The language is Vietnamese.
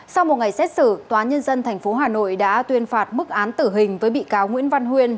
sau một ngày xét xử tòa nhân dân tp hà nội đã tuyên phạt mức án tử hình với bị cáo nguyễn văn huyên